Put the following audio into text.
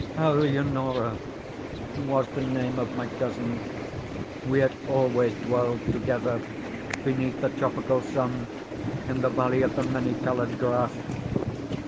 Eleonora was the name of my cousin. We had always dwelled together, beneath a tropical sun, in the Valley of the Many Colored Grass.